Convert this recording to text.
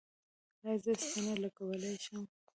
ایا زه ستنه لګولی شم؟